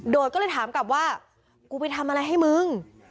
โดยก็เลยถามกลับว่ากูไปทำอะไรให้มึง